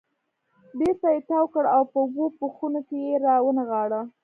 بېرته یې تاو کړ او په اوو پوښونو کې یې را ونغاړه.